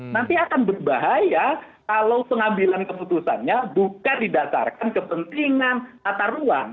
nanti akan berbahaya kalau pengambilan keputusannya bukan didasarkan kepentingan tata ruang